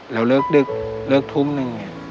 แล้วเลิกดึกเลิกทุ่มนึง